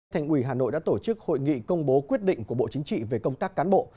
thành ủy hà nội đã tổ chức hội nghị công bố quyết định của bộ chính trị về công tác cán bộ